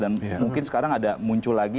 dan mungkin sekarang ada muncul lagi